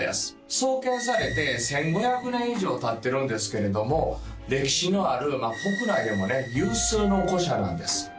創建されて１５００年以上たってるんですけれども歴史のあるまあ国内でもね有数の古社なんです